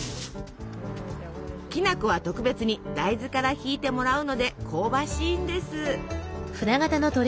きな粉は特別に大豆からひいてもらうので香ばしいんです。